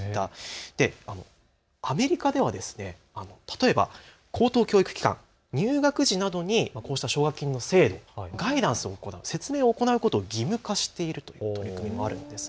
アメリカでは例えば高等教育機関は入学時などにこうした奨学金の制度、ガイダンスを行う、説明を行うこと義務化しているということもあるんです。